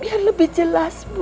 biar lebih jelas bu